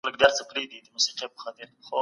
دباندي ډېر خلک ولاړ دي.